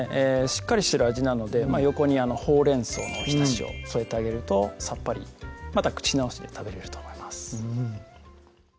しっかりしてる味なので横にほうれん草のお浸しを添えてあげるとさっぱりまた口直しで食べれると思います